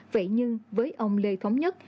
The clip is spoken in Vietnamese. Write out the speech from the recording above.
vậy như với ông lê thống nhất